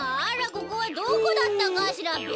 ここはどこだったかしらべ。